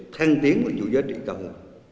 thăng tiến vào chủ giới trị tầng